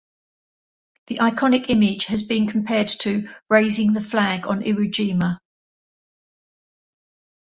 The iconic image has been compared to "Raising the Flag on Iwo Jima".